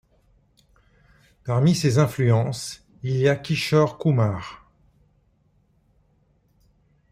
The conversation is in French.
Parmi ses influences, il y a Kishore Kumar.